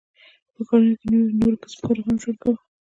په ښارونو کې نورو کسبګرو هم ژوند کاوه.